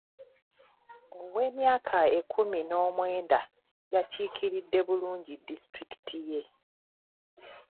Ow'emyaka ekkumi n'omwenda yakiikiridde bulungi disitulikiti ye.